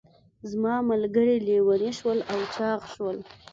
زما ملګري لیوني شول او چاغ شول.